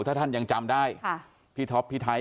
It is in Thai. ถ้าท่านยังจำได้พี่ท็อปพี่ไทย